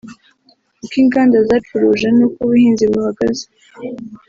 uko inganda zacuruje n’uko ubuhinzi buhagaze